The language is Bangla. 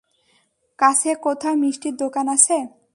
কাছে কোথাও মিষ্টির দোকান আছে?